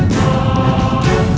saya lebih baik